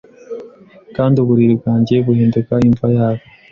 Kandi uburiri bwanjye buhinduka imva yabo